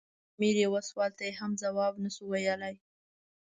د امیر یوه سوال ته یې هم ځواب نه شو ویلای.